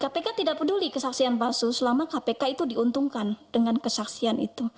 kpk tidak peduli kesaksian palsu selama kpk itu diuntungkan dengan kesaksian itu